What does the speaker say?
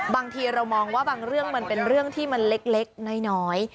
บางทีเรามองว่าบางเรื่องมันเป็นเรื่องที่มันเล็กน้อย